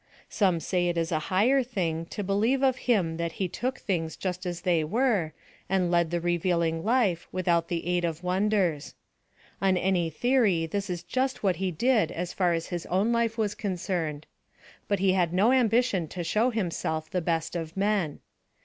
Some say it is a higher thing to believe of him that he took things just as they were, and led the revealing life without the aid of wonders. On any theory this is just what he did as far as his own life was concerned. But he had no ambition to show himself the best of men.